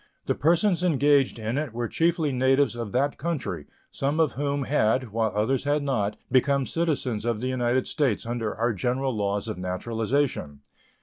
The persons engaged in it were chiefly natives of that country, some of whom had, while others had not, become citizens of the United States under our general laws of naturalization.